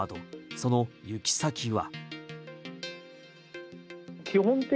その行き先は。